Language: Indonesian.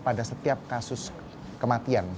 pada setiap kasus kematian